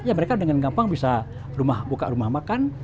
ya mereka dengan gampang bisa buka rumah makan